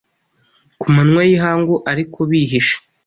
ku manywa y’ihangu ariko bihishe.